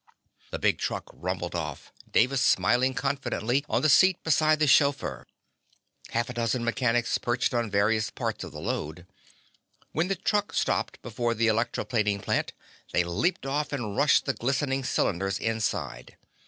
The big truck rumbled off, Davis smiling confidently on the seat beside the chauffeur. Half a dozen mechanics perched on various parts of the load. When the truck stopped before the electro plating plant they leaped off and rushed the glistening cylinders inside.